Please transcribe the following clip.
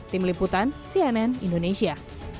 tim liputan cnn indonesia